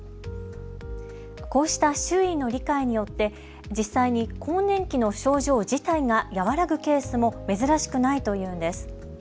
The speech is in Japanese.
こうした周囲の理解によって、実際に更年期の症状自体が和らぐケースも珍しくないというんです。